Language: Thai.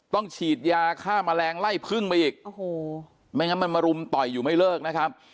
ฉีดยาฆ่าแมลงไล่พึ่งไปอีกโอ้โหไม่งั้นมันมารุมต่อยอยู่ไม่เลิกนะครับ